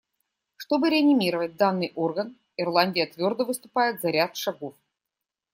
Чтобы реанимировать данный орган, Ирландия твердо выступает за ряд шагов.